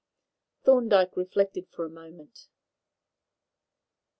Thorndyke reflected for a moment.